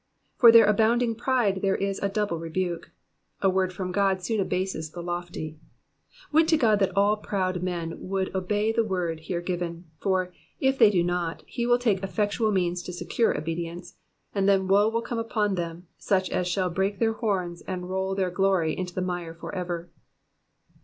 For their abounding pride there ia a double rebuke. A word from God soon abases the lofty. Would to God that all proud men would obey the word here given them ; for, if they do not, he will take effectual means to secure obedience, and then woe will come upon them, such as shall break their horns and roll their glory in the mire for ever.